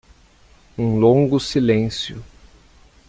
Um longo silêncio